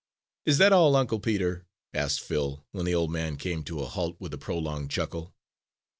_'" "Is that all, Uncle Peter?" asked Phil, when the old man came to a halt with a prolonged chuckle.